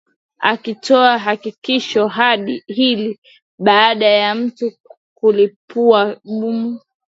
akitoa hakikisho hili baada ya mtu kulipua bomu